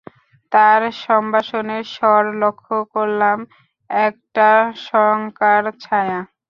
তার সম্ভাষণের স্বরে লক্ষ করলাম একটা শঙ্কার ছায়া।